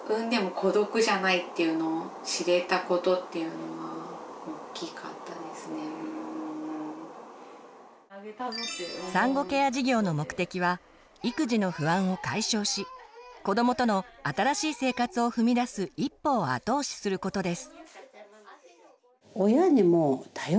子どもだけでなくて産後ケア事業の目的は育児の不安を解消し子どもとの新しい生活を踏み出す一歩を後押しすることです。